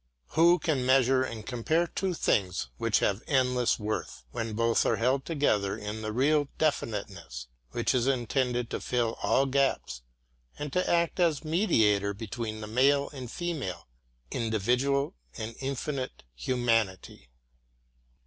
Who can measure and compare two things which have endless worth, when both are held together in the real Definiteness, which is intended to fill all gaps and to act as mediator between the male and female individual and infinite humanity?